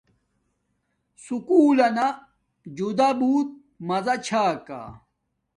سکُول لنا جدا بوت مضا چھا کا